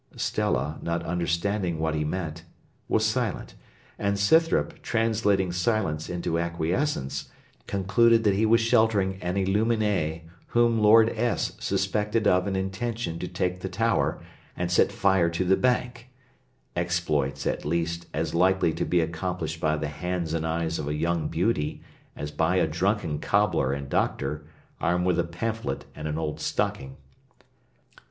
Stella, not understanding what he meant, was silent; and Scythrop, translating silence into acquiescence, concluded that he was sheltering an illuminée whom Lord S. suspected of an intention to take the Tower, and set fire to the Bank: exploits, at least, as likely to be accomplished by the hands and eyes of a young beauty, as by a drunken cobbler and doctor, armed with a pamphlet and an old stocking.